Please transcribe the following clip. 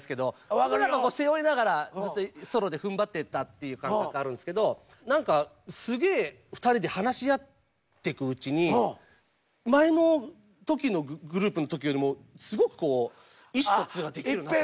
僕らが背負いながらずっとソロでふんばってたっていう感覚あるんですけど何かすげえ２人で話し合ってくうちに前の時のグループの時よりもすごく意思疎通ができるようになったというか。